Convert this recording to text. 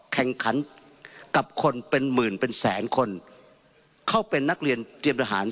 แข่งขันกับคนเป็นหมื่นเป็นแสนคนเข้าเป็นนักเรียนเตรียมทหาร